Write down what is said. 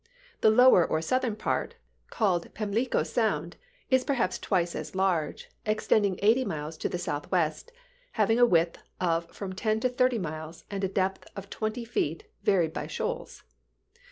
The lower or southern part, called Pamlico Sound, is perhaps twice as large, extending eighty miles to the southwest, having a width of from ten to thirty miles and a depth of twenty feet varied by shoals.